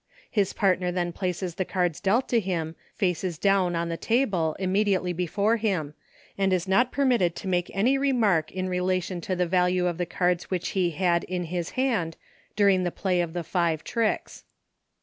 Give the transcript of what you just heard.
His partner then places the cards dealt to him, faces down on the table imme diately before him, and is not permitted to make any remark in relation to the value of the cards which he had in his hand, during the play of the five tricks.